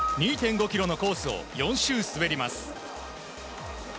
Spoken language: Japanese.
２．５ｋｍのコースを４周滑ります。